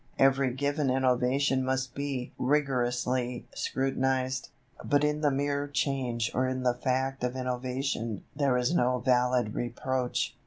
Every given innovation must be rigorously scrutinized, but in the mere change or in the fact of innovation there is no valid reproach.